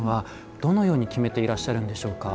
どのように決めていらっしゃるんでしょうか。